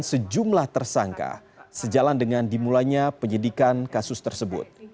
sejumlah tersangka sejalan dengan dimulainya penyidikan kasus tersebut